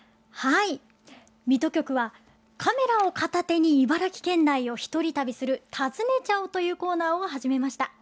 水戸局はカメラを片手に茨城県内を１人旅する「たずねちゃお」というコーナーを始めました。